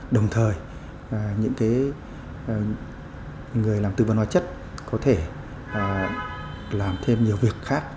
đồng thời những người làm tư vấn hóa chất có thể làm thêm nhiều việc khác